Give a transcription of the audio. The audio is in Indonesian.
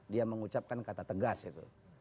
dia mengucapkan kata tegas itu